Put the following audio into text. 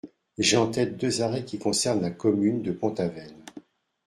J’ai en tête deux arrêts qui concernent la commune de Pont-Aven.